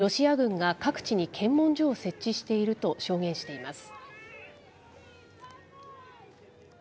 現地の住民は、ロシア軍が各地に検問所を設置していると証言しています。